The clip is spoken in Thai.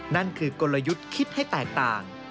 นั่นคือกลยุทธ์คิดให้แตกต่าง